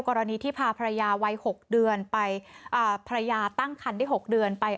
กรณีที่พาภรรยาไว้หกเดือนไปอ่าภรรยาตั้งคันที่หกเดือนไป